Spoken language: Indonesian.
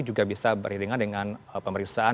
juga bisa beriringan dengan pemeriksaan